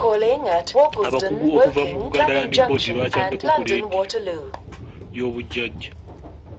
Abakugu okuva mu Buganda Land Board baakyaddeko ku leediyo y'obujjajja.